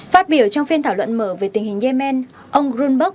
phát biểu trong phiên thảo luận mở về tình hình yemen ông grunberg